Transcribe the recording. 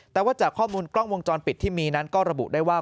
แต่ว่าจากข้อมูลกล้องวงจรปิดที่มีนั้นก็ระบุได้ว่า